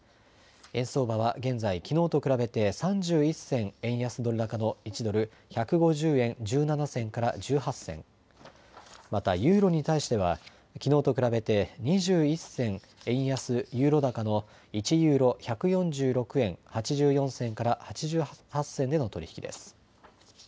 円相場は現在、きのうと比べて３１銭円安ドル高の１ドル１５０円１７銭から１８銭、またユーロに対してはきのうと比べて２１銭円安ユーロ高の１ユーロ１４６円８４銭から８８銭での取り引きです。